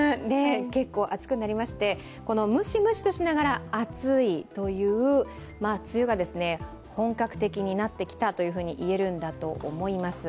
結構暑くなりまして、このムシムシとしながら暑いという梅雨が本格的になってきたと言えるんだと思います。